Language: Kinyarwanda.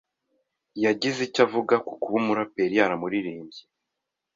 yagize icyo avuga ku kuba umuraperi yaramuririmbye